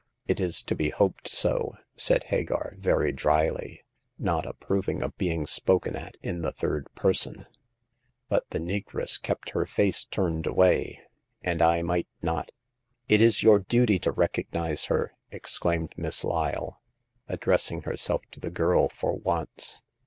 It is to be hoped so," said Hagar, very dryly, not approving of being spoken at in the third person ;" but the negress kept her face turned away, and I might not "" It is your duty to recognize her," exclaimed Miss Lyle, addressing herself to the girl for once.